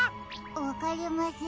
わかりません。